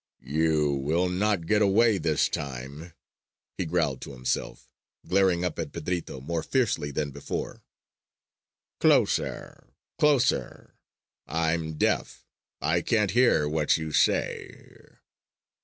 "You will not get away this time!" he growled to himself, glaring up at Pedrito more fiercely than before. "Closer! Closer! I'm deaf! I can't hear what you say!"